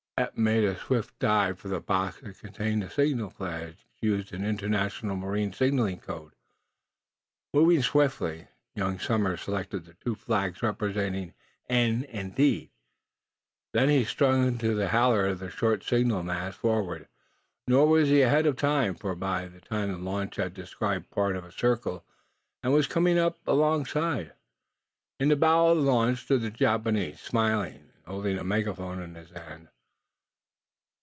Eph made a swift dive for the box that contained the signal flags used in the international marine signaling code. Moving swiftly, young Somers selected the two flags representing "N" and "D." These he strung to the halliard of the short signal mast forward. Nor was he ahead of time, for by this time the launch had described part of a circle, and was coming up alongside. In the bow of the launch stood the Japanese, smiling, and holding a megaphone in his hand.